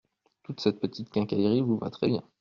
Toute cette petite quincaillerie vous va très bien.